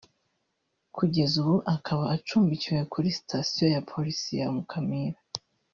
Kugeza ubu akaba acumbikiwe kuri Station ya Police ya Mukamira